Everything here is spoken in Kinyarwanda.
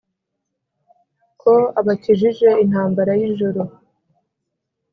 ko abakijije intambara y' ijoro !